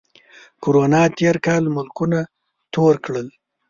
کرونا تېر کال ملکونه تور کړل